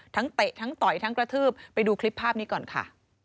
เตะทั้งต่อยทั้งกระทืบไปดูคลิปภาพนี้ก่อนค่ะ